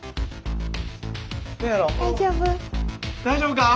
大丈夫？